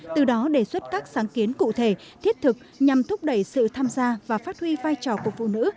từ đó đề xuất các sáng kiến cụ thể thiết thực nhằm thúc đẩy sự tham gia và phát huy vai trò của phụ nữ